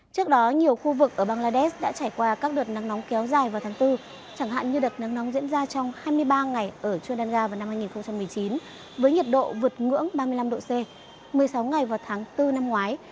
trước đó nhiều khu vực ở bangladesh đã trải qua các đợt nắng nóng kéo dài vào tháng bốn chẳng hạn như đợt nắng nóng diễn ra trong hai mươi ba ngày ở chudanga vào năm hai nghìn một mươi chín với nhiệt độ vượt ngưỡng ba mươi năm độ c một mươi sáu ngày vào tháng bốn năm ngoái